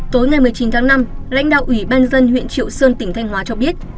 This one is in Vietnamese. tối ngày một mươi chín tháng năm lãnh đạo ủy ban dân huyện triệu sơn tỉnh thanh hóa cho biết